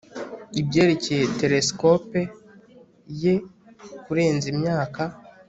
Ibyerekeye telesikope ye Kurenza imyaka